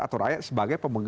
atau rakyat sebagai pemerintah